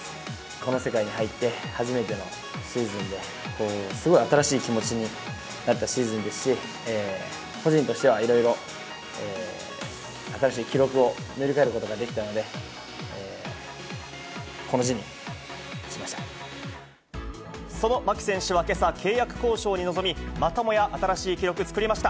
この世界に入って、初めてのシーズンで、すごい新しい気持ちになったシーズンですし、個人としてはいろいろ新しい記録を塗り替えることができたので、その牧選手はけさ、契約交渉に臨み、またもや、新しい記録を作りました。